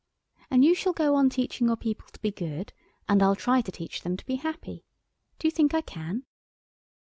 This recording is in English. And you shall go on teaching your people to be good, and I'll try to teach them to be happy. Do you think I can?"